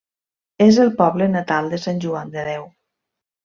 És el poble natal de Sant Joan de Déu.